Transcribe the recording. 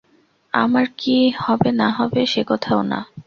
আমার কী হবে না হবে সেকথাও না।